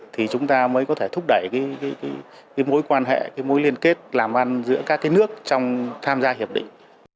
thì chúng ta mới có thể thúc đẩy mối quan hệ mối liên kết làm ăn giữa các cái nước trong tham gia hiệp định